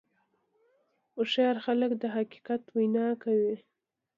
هوښیار خلک د حقیقت وینا کوي.